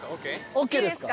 ＯＫですか？